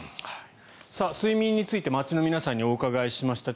睡眠について街の皆さんにお伺いしました。